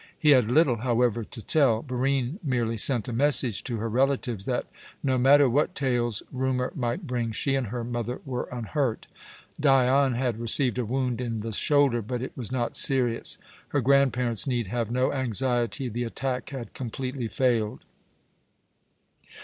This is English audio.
He had little, however, to tell. Barine merely sent a message to her relatives that, no matter what tales rumour might bring, she and her mother were unhurt. Dion had received a wound in the shoulder, but it was not serious. Her grandparents need have no anxiety; the attack had completely failed.